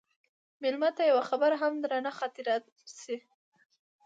مېلمه ته یوه خبره هم درنه خاطره شي.